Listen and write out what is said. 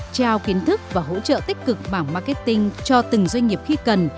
trao kiến thức và hỗ trợ tích cực bảng marketing cho từng doanh nghiệp khi cần